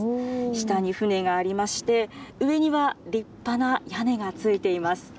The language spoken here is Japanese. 下に船がありまして、上には立派な屋根がついています。